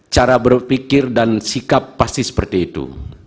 cara berpikir dan sikap pasti seperti itu